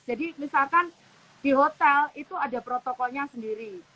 jadi misalkan di hotel itu ada protokolnya sendiri